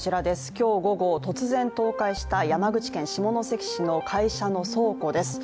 今日午後、突然倒壊した山口県下関市の会社の倉庫です。